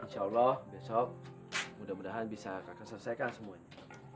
ya insyaallah besok mudah mudahan bisa kakak selesaikan semuanya